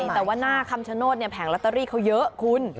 แต่ว่าหน้าคำชโนธแผงลอตเตอรี่เขาเยอะคุณ